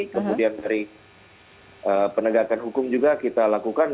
kemudian dari penegakan hukum juga kita lakukan